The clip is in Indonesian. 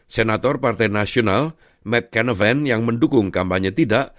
senator partai nasional matt canavan yang mendukung kampanye tidak